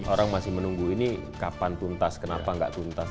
orang masih menunggu ini kapan puntas kenapa antar